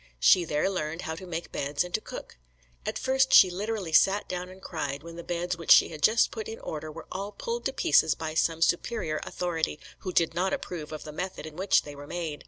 She there learned how to make beds and to cook. At first she literally sat down and cried when the beds which she had just put in order were all pulled to pieces by some superior authority, who did not approve of the method in which they were made.